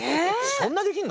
そんなできんの？